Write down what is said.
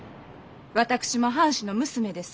私も藩士の娘です。